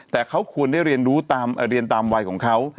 แต่เขาควรได้เรียนรู้เรียนตามวัยของเขา